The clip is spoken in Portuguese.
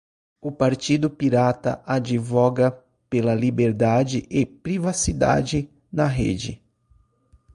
O Partido Pirata advoga pela liberdade e privacidade na rede